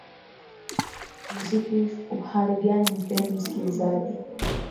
muziki rfi u hali gani mpenzi msikilizaji